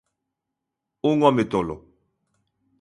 Un home tolo.